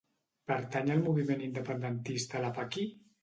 Pertany al moviment independentista la Paqui?